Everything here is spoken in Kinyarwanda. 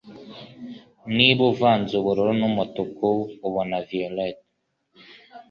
Niba uvanze ubururu numutuku ubona violet